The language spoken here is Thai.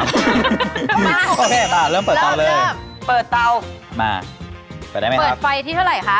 เสร็จไหมคะแอคเช็นได้ค่ะใช้ได้นะครับปีเบอร์ก็ดีด้วยใช่ค่ะ